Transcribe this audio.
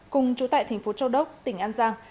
cùng chú tại thành phố châu đốc tỉnh an giang